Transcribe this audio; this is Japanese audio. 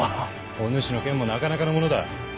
お主の剣もなかなかのものだ。